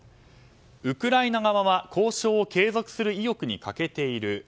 ウクライナ側は交渉を継続する意欲に欠けている。